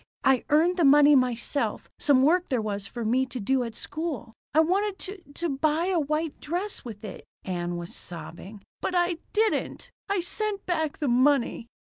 I earned the money myself some work there was for me to do at school. I wanted to to buy a white dress with it." Ann was sobbing. "But I didn't. I sent back the money."